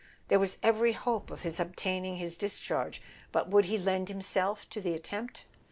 There was every hope of his obtaining his dis¬ charge; but would he lend himself to the attempt?